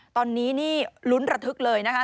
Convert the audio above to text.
ตอนนี้นี่ลุ้นระทึกเลยนะคะ